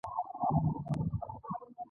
دوی یو بل خوړل او آدم خوري یې کوله.